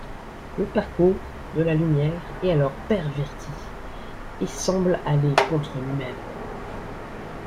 Le parcours de la lumière est alors perverti et semble aller contre lui-même.